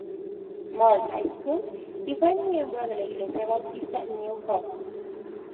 Moore High School, y fue miembro de la Iglesia Bautista New Hope.